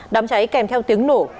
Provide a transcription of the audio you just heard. đám cháy kèm theo tiếng nổ